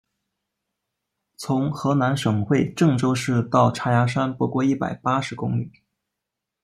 从河南省会郑州市到嵖岈山不过一百八十公里。